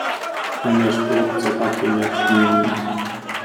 "Będziesz wkrótce takim, jak inni."